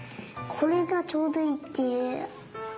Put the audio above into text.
これがちょうどいいっていう。